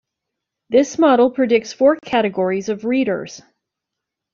This model predicts four categories of readers.